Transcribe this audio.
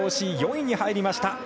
ＲＯＣ、４位に入りました。